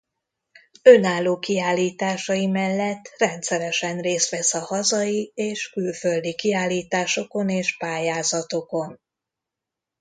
Önálló kiállításai mellett rendszeresen részt vesz a hazai és külföldi kiállításokon és pályázatokon.